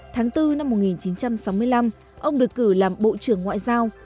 tháng bốn năm một nghìn chín trăm sáu mươi năm ông được cử làm bộ trưởng ngoại giao